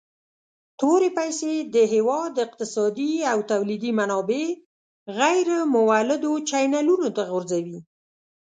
تورې پیسي د هیواد اقتصادي او تولیدي منابع غیر مولدو چینلونو ته غورځوي.